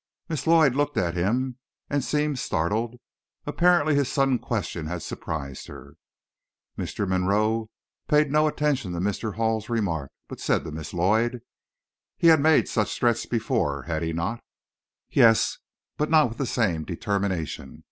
Miss Lloyd looked at him, and seemed startled. Apparently his sudden question had surprised her. Mr. Monroe paid no attention to Mr. Hall's remark, but said to Miss Lloyd, "He had made such threats before, had he not?" "Yes, but not with the same determination.